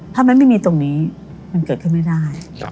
ถ้ามันไม่มีตรงนี้มันเกิดขึ้นไม่ได้